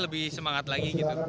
lebih semangat lagi gitu